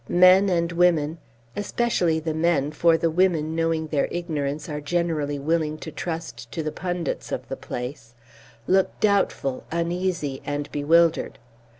Men and women, especially the men, for the women knowing their ignorance are generally willing to trust to the pundits of the place, look doubtful, uneasy, and bewildered.